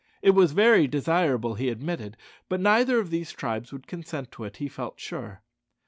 It was very desirable, he admitted; but neither of these tribes would consent to it, he felt sure.